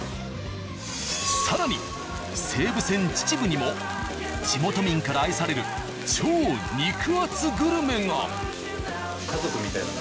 更に西武線秩父にも地元民から愛される超肉厚グルメが！